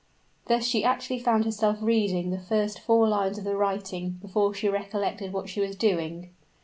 Thus she actually found herself reading the first four lines of the writing, before she recollected what she was doing.